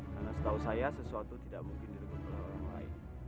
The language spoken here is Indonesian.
karena setahu saya sesuatu tidak mungkin direbut oleh orang lain